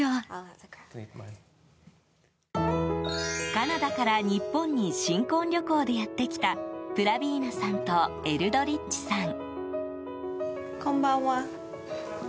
カナダから日本に新婚旅行でやってきたプラビーナさんとエルドリッチさん。